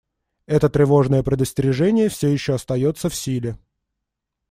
Это тревожное предостережение все еще остается в силе.